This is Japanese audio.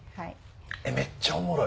めっちゃおもろい。